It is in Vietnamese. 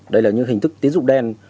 đây là những hình thức tín dụng đen